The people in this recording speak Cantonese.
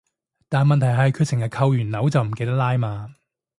但問題係佢成日扣完鈕就唔記得拉嘛